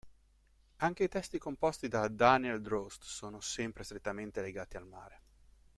Anche i testi composti da Daniel Droste sono sempre strettamente legati al mare.